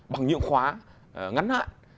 bằng nhượng khóa ngắn hạn